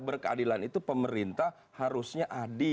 berkeadilan itu pemerintah harusnya adil